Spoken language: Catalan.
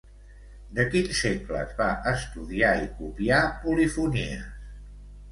De quins segles va estudiar i copiar polifonies?